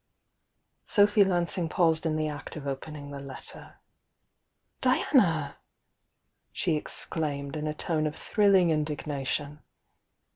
Sophy Lansing paused in the act of opening the letter. "Diana!" she exclaimed in a tone of thrilling indignation.